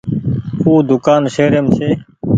او دوڪآن شهريم ڇي۔